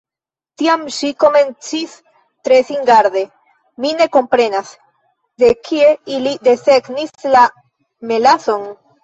Tiam ŝi komencis tre singarde: "Mi ne komprenas. De kie ili desegnis la melason?"